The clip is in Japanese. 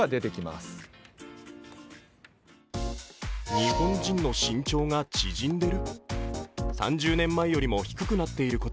日本人の身長が縮んでる？